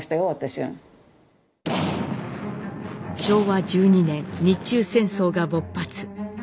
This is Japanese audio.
昭和１２年日中戦争が勃発。